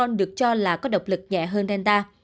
omicron được cho là có độc lực nhẹ hơn delta